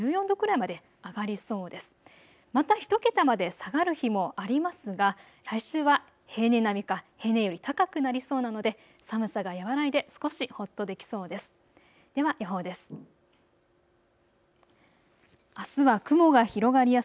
また１桁まで下がる日もありますが、来週は平年並みか平年より高くなりそうなので寒さが和らいで少しほっとできそうです。